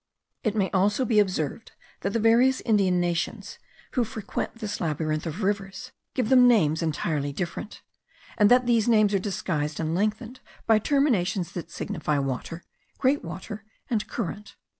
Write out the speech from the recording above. It may also be observed that the various Indian nations, who frequent this labyrinth of rivers, give them names entirely different; and that these names are disguised and lengthened by terminations that signify water, great water, and current.